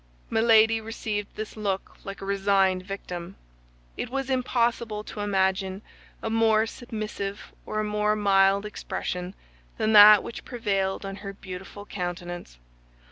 Milady received this look like a resigned victim; it was impossible to imagine a more submissive or a more mild expression than that which prevailed on her beautiful countenance.